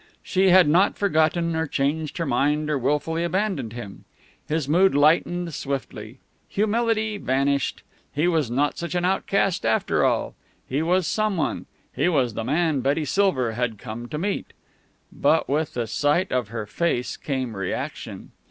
She had not forgotten, or changed her mind, or willfully abandoned him. His mood lightened swiftly. Humility vanished. He was not such an outcast, after all. He was someone. He was the man Betty Silver had come to meet. But with the sight of her face came reaction.